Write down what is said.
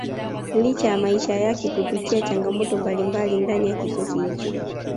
licha ya maisha yake kupitia changamoto mbalimbali ndani ya kikosi hicho